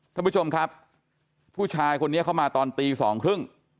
ท่านผู้ชมครับผู้ชายคนนี้เข้ามาตอนตีสองครึ่ง